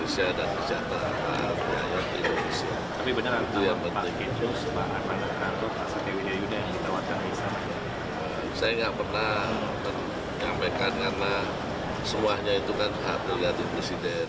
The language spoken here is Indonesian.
saya tidak pernah menyampaikan karena semuanya itu kan hak prerogatif presiden